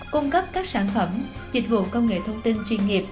cung cấp các sản phẩm dịch vụ công nghệ thông tin chuyên nghiệp